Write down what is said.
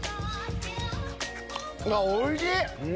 おいしい！